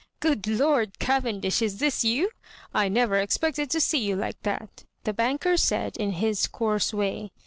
" Good Lord I Cavendish, is this you ? I never expected to see you hke that I " the banker said in his coarse way.